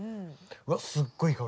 わっすっごいいい香り。